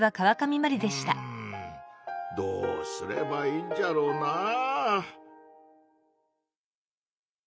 うんどうすればいいんじゃろうなぁ。